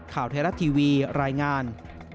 ข่าวไทยรัฐทีวีรายงาน